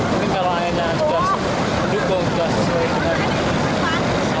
mungkin kalau anginnya mendukung sesuai dengan